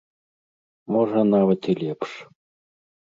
Можа, нават і лепш.